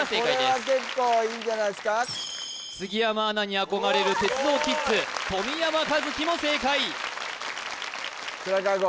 これは結構いいんじゃないですか杉山アナに憧れる鉄道キッズ冨山一輝も正解白川郷